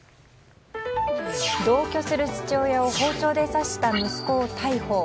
同居する父親を包丁で刺した息子を逮捕。